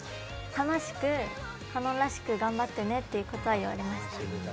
楽しく香音らしく頑張ってねっていうことは言われました。